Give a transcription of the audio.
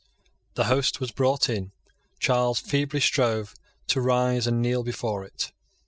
The host was brought in. Charles feebly strove to rise and kneel before it.